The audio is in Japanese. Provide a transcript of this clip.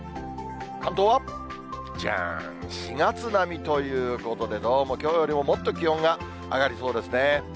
関東は、じゃーん、４月並みということで、どうもきょうよりももっと気温が上がりそうですね。